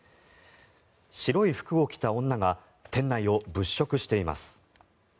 白い服を着た女が店内を物色しています。